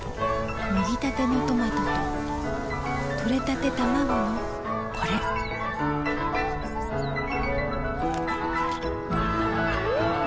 もぎたてのトマトととれたてたまごのこれん！